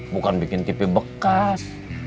bukan bikin tv bekas